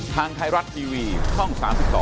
ทางไทยรัฐทีวีช่อง๓๒